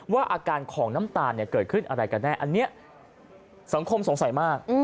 ว่าอาการของน้ำตาลเกิดขึ้นอะไรกันแน่อันนี้สังคมสงสัยมาก